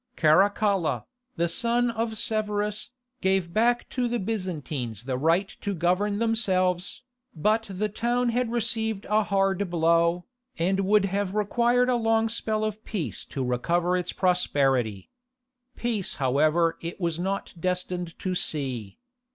Caracalla, the son of Severus, gave back to the Byzantines the right to govern themselves, but the town had received a hard blow, and would have required a long spell of peace to recover its prosperity. Peace however it was not destined to see.